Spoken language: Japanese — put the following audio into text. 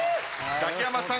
ザキヤマさん